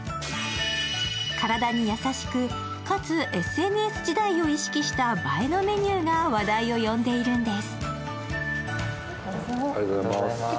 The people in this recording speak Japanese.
体に優しくかつＳＮＳ時代を意識した映えのメニューが話題を呼んでいるんです。